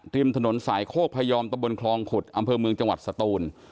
ริมถนนสายโคกพยอมตะบนคลองขุดอำเภอเมืองจังหวัดสตูน